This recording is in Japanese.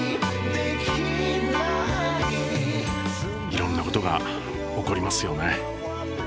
いろんなことが起こりますよね。